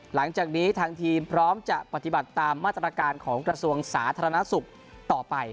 หลังจากนี้ทางทีมพร้อมจะปฏิบัติตามมาตรการของกระทรวงสาธารณสุขต่อไป